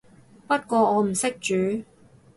不過我唔識煮